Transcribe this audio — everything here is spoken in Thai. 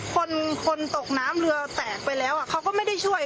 คนคนตกน้ำเรือแตกไปแล้วเขาก็ไม่ได้ช่วย